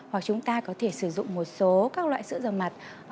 hoặc chúng ta có thể sử dụng một số các loại sữa dầu mặt